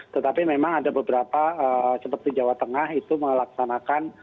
tetapi memang ada beberapa seperti jawa tengah itu melaksanakan